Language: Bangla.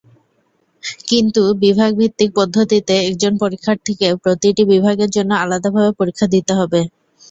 কিন্তু বিভাগভিত্তিক পদ্ধতিতে একজন পরীক্ষার্থীকে প্রতিটি বিভাগের জন্য আলাদাভাবে পরীক্ষা দিতে হবে।